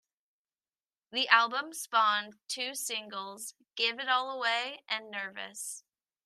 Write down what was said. The album spawned two singles, "Gave It All Away" and "Nervous".